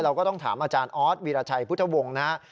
ก็ต้องถามอาจารย์ออสวีรชัยพุทธวงศ์นะครับ